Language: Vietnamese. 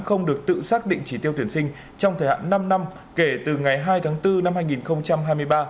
không được tự xác định chỉ tiêu tuyển sinh trong thời hạn năm năm kể từ ngày hai tháng bốn năm hai nghìn hai mươi ba